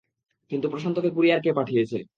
কিন্তু প্রশান্তকে কুরিয়ার কে পাঠিয়েছে?